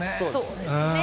そうですね。